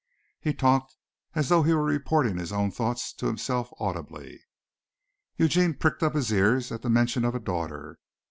He talked as though he were reporting his own thoughts to himself audibly. Eugene pricked up his ears at the mention of a daughter.